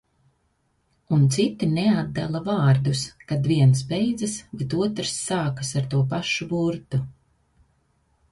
Un citi neatdala vārdus, kad viens beidzas, bet otrs sākas ar to pašu burtu.